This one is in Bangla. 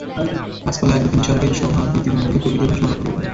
গাছপালা একদিকে নিসর্গের শোভা বৃদ্ধি করে, অন্যদিকে প্রকৃতির ভারসাম্য রক্ষা করে থাকে।